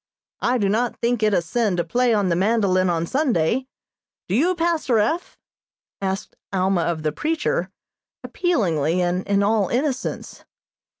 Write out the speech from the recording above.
I do not think it a sin to play on the mandolin on Sunday. Do you, Pastor F.?" asked Alma of the preacher, appealingly, and in all innocence.